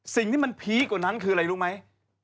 สิ่งที่มันพีคกว่านั้นคืออะไรรู้ไหม